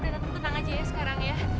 tetap tenang aja ya sekarang ya